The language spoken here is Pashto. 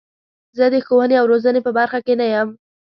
زه د ښوونې او روزنې په برخه کې نه یم.